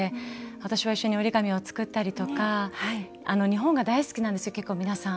私は一緒に折り紙を作ったり日本が大好きなんですよ、皆さん。